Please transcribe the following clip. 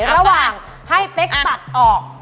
ระหว่างให้เป๊กตัดออก